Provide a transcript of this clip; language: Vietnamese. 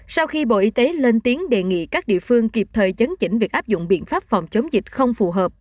sau khi bộ y tế lên tiếng đề nghị các địa phương kịp thời chấn chỉnh việc áp dụng biện pháp phòng chống dịch không phù hợp